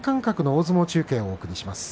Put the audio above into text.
大相撲中継」をお送りします。